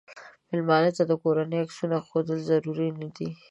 مېلمه ته د کورنۍ عکسونه ښودل ضرور نه دي.